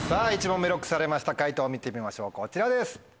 １問目ＬＯＣＫされました解答を見てみましょうこちらです。